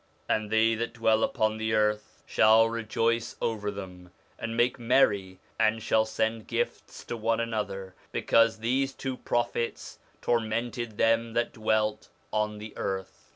'And they that dwell upon the earth shall rejoice over them, and make merry, and shall send gifts to one another, because these two prophets tormented them that dwelt on the earth.'